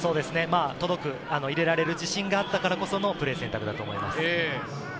届く、入れられる自信があったからこそのプレー選択だと思います。